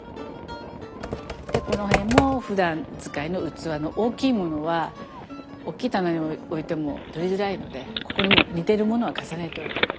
でこの辺もふだん使いの器の大きいものは大きい棚に置いても取りづらいのでここに似てるものは重ねて置いとく。